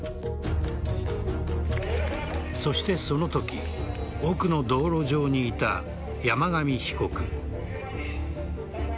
そして、そのとき奥の道路上にいた山上被告。